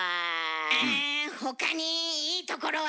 あ他にいいところは。